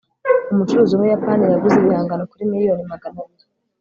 umucuruzi wumuyapani yaguze ibihangano kuri miliyoni magana biri